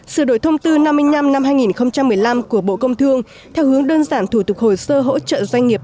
sửa đổi thông tư năm mươi năm năm hai nghìn một mươi năm của bộ công thương theo hướng đơn giản thủ tục hồ sơ hỗ trợ doanh nghiệp